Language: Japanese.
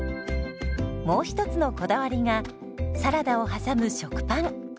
もう一つのこだわりがサラダを挟む食パン。